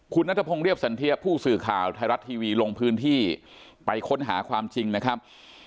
คุณนัทพงศ์เรียบสันเทียผู้สื่อข่าวไทยรัฐทีวีลงพื้นที่ไปค้นหาความจริงนะครับ